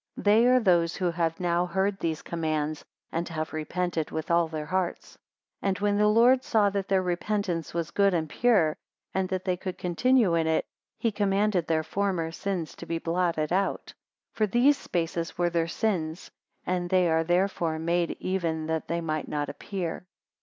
279 They are those who have now heard these commands, and have repented with all their hearts; 280 And when the Lord saw that their repentance was good and pure, and that they could continue in it, he commanded their former sins to be blotted out. For these spaces were their sins, and they are therefore made even that they might not appear.